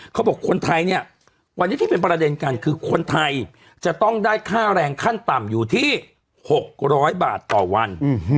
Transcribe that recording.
คนไทยเนี่ยวันนี้ที่เป็นประเด็นกันคือคนไทยจะต้องได้ค่าแรงขั้นต่ำอยู่ที่๖๐๐บาทต่อวัน